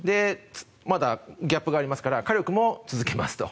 まだギャップがありますから火力も続けますと。